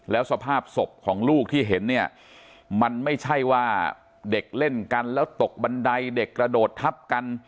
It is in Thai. แล้วสภาพศพของลูกที่เห็นเนี่ยมันไม่ใช่ว่าเด็กเล่นกันแล้วตกบันไดเด็กกระโดดทับกัน